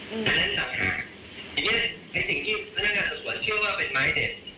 อืมอันนั้นสำหรับอย่างเงี้ยไอ้สิ่งที่พนักงานสอบสวนเชื่อว่าเป็นไม้เด็ด